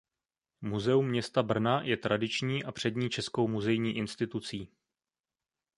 Muzeum města Brna je tradiční a přední českou muzejní institucí.